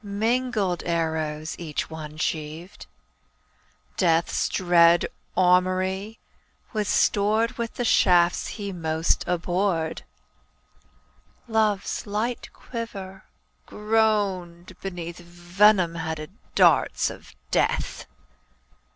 Mingled arrows each one sheaved; Death's dread armoury was stored With the shafts he most abhorred; Love's light quiver groaned beneath Venom headed darts of Death.